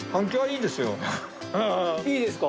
いいですか？